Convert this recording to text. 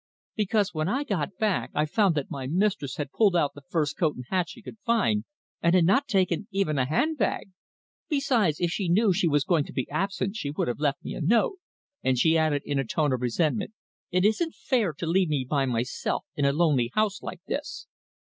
"Because when I got back I found that my mistress had pulled out the first coat and hat she could find, and had not taken even a handbag. Besides, if she knew she was to be absent she would have left me a note." And she added in a tone of resentment: "It isn't fair to leave me by myself in a lonely house like this!"